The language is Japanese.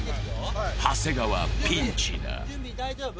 長谷川、ピンチだ。